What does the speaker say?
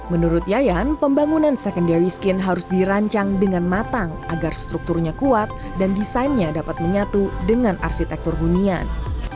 menurut yayan pembangunan secondary skin harus dirancang dengan matang agar strukturnya kuat dan desainnya dapat menyatu dengan arsitektur hunian